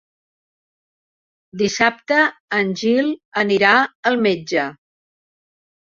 Dissabte en Gil anirà al metge.